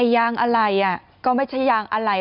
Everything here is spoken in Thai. ยางอะไรก็ไม่ใช่ยางอะไร